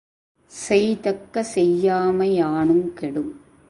செய்தக்க செய்யாமை யானுங் கெடும்.